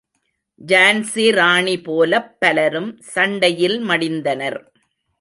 ஜான்ஸி ராணி போலப் பலரும் சண்டை யில்ம டிந்தனர்.